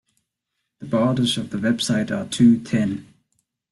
The borders of the website are too thin.